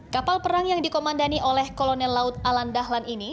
kapal perang yang dikomandani oleh kolonel laut alan dahlan ini